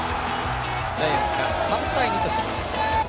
ジャイアンツが３対２とします。